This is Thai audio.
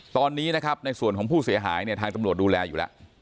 ตอนนี้นะครับในส่วนของผู้เสียหายเนี่ยทางตำรวจดูแลอยู่แล้ว